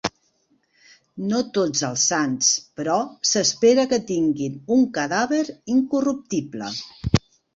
No tots els sants, però, s'espera que tinguin un cadàver incorruptible.